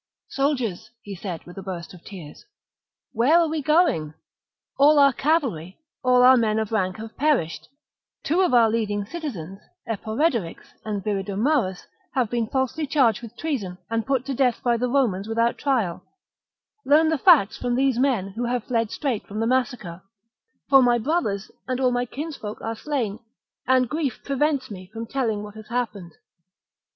" Soldiers," he said, with a forCergovia, burst of tears, "where are we going.'* All our them to join cavalry, all our men of rank have perished. toHx, and ^T i f. ,,... T^ ^' 1 inflames the iwo of our leadmg citizens, Eporedorix and Aeduan Viridomarus, have been falsely charged with revolt? treason and put to death by the Romans with out trial. Learn the facts from these men, who have fled straight from the massacre ; for my brothers and all my kinsfolk are slain, and grief prevents me from telling what has happened."